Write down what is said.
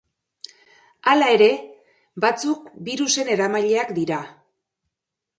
Hala ere, batzuk birusen eramaileak dira.